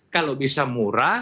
kalau bisa murah